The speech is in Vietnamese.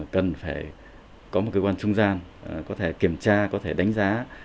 cần phải có một cơ quan trung gian có thể kiểm tra có thể đánh giá